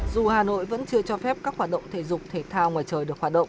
dù hà nội vẫn chưa cho phép các hoạt động thể dục thể thao ngoài trời được hoạt động